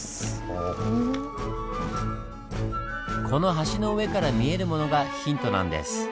この橋の上から見えるものがヒントなんです。